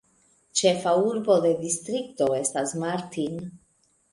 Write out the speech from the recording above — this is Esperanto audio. Ĉefa urbo de distrikto estas Martin.